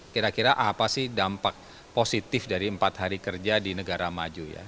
kira kira apa sih dampak positif dari empat hari kerja di negara maju ya